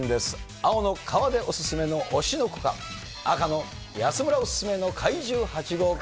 青の河出お薦めの推しの子か、赤の安村お薦めの怪獣８号か。